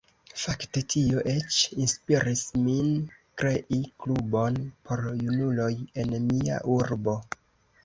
Fakte tio eĉ inspiris min krei klubon por junuloj en mia urbo.